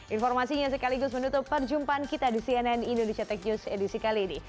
informasinya sekaligus menutup perjumpaan kita di cnn indonesia tech news edisi kali ini